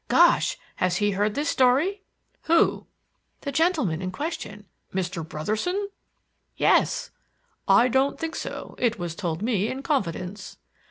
'" "Gosh! has he heard this story?" "Who?" "The gentleman in question." "Mr. Brotherson?" "Yes." "I don't think so. It was told me in confidence."